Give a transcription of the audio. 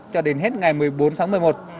cho đến hết ngày một mươi bốn tháng một mươi một